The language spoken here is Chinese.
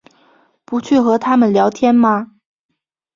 不去和他们聊天吗？